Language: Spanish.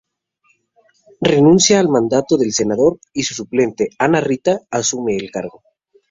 Renuncia al mandato de senador y su suplente, Ana Rita, asume el cargo.